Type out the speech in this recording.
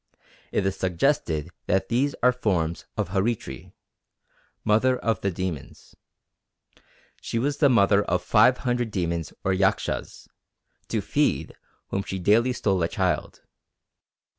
It is suggested that these are forms of Haritri 'Mother of the Demons.' She was the mother of five hundred demons or yakshas, to feed whom she daily stole a child.